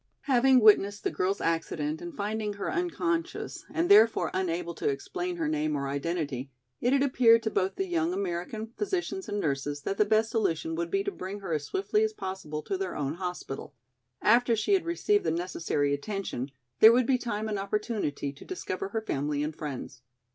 Having witnessed the girl's accident and finding her unconscious and therefore unable to explain her name or identity, it had appeared to both the young American physicians and nurses that the best solution would be to bring her as swiftly as possible to their own hospital. After she had received the necessary attention there would be time and opportunity to discover her family and friends.